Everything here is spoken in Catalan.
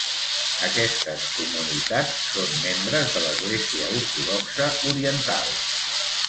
Aquestes comunitats són membres de l'Església ortodoxa oriental.